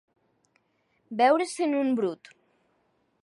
Veure-se'n un brut.